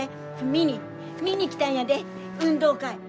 見に見に来たんやで運動会！